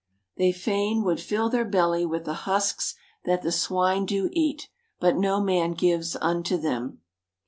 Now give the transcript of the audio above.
They "fain would fill their belly with the husks that the swine do eat, but no man gives unto them."